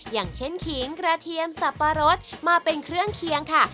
อย่างเช่นขิงกระเทียมสับปะรดมาเป็นเครื่องเคียงค่ะ